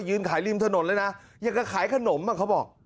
ยืนขายริมถนนเลยนะยังก็ขายขนมอะเค้าบอก